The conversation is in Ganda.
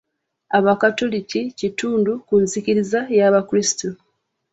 Abakatoliki kitundu ku nzikiriza y'abakulisitu.